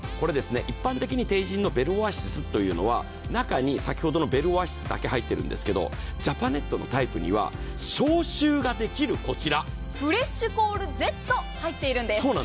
一般的にＴＥＩＪＩＮのベルオアシスというのは中に先ほどのベルオアシスだけ入ってるんですけどジャパネットのタイプには消臭ができるフレッシュコールＺが入ってるんです。